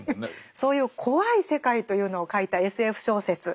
そういう怖い世界というのを書いたＳＦ小説